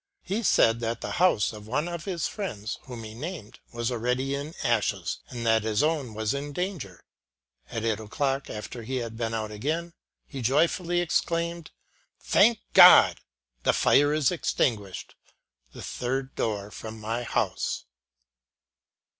He said that the house of one of his friends, whom he named, was already in ashes, and that his own was in danger. At eight o'clock, after he had been out again, he joyfully exclaimed, ' Thank God ! the fire is extinguished ; the third door from my house.'